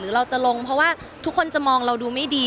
เราจะลงเพราะว่าทุกคนจะมองเราดูไม่ดี